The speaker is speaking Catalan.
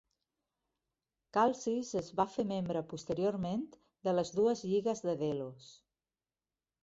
Calcis es va fer membre posteriorment de les dues Lligues de Delos.